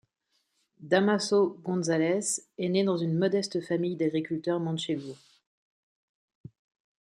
Dámaso González est né dans une modeste famille d'agriculteurs manchegos.